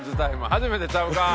初めてちゃうか？